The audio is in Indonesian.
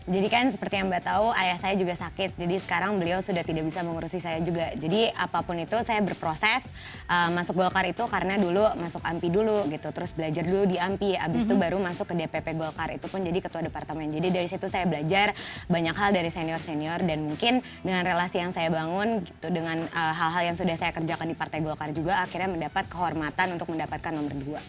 jadi kan seperti yang mbak tahu ayah saya juga sakit jadi sekarang beliau sudah tidak bisa mengurusi saya juga jadi apapun itu saya berproses masuk golkar itu karena dulu masuk ampi dulu gitu terus belajar dulu di ampi habis itu baru masuk ke dpp golkar itu pun jadi ketua departemen jadi dari situ saya belajar banyak hal dari senior senior dan mungkin dengan relasi yang saya bangun gitu dengan hal hal yang sudah saya kerjakan di partai golkar juga akhirnya mendapat kehormatan untuk mendapatkan nomor dua